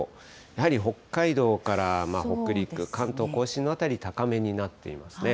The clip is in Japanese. やはり北海道から北陸、関東甲信の辺り、高めになっていますね。